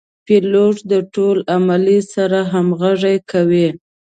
پیلوټ د ټول عملې سره همغږي کوي.